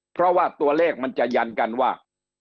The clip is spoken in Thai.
เพราะว่าตัวเลขมันจะยันกันว่า